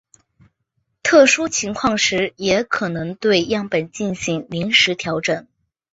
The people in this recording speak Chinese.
特殊情况时也可能对样本进行临时调整。